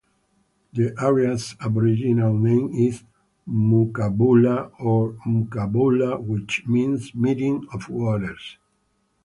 The area's Aboriginal name is 'Mookaboola' or 'Moocooboola', which means "meeting of waters".